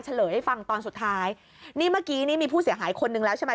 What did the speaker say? เลให้ฟังตอนสุดท้ายนี่เมื่อกี้นี่มีผู้เสียหายคนนึงแล้วใช่ไหม